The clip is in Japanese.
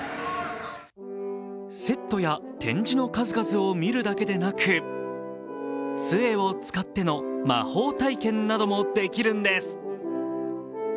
セットや展示の数々を見るだけでなくつえを使っての魔法体験などもできるんです。